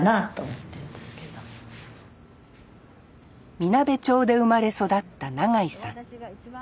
みなべ町で生まれ育った永井さん。